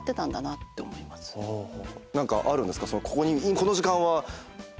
何かあるんですか？